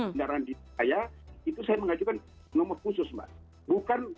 kendaraan saya itu saya mengajukan nomor khusus mbak